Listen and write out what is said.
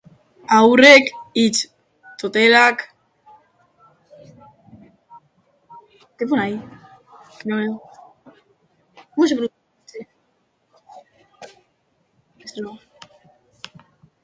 Haurrek, hitz-totelka, hartaz ziharduten eskolarako bidean.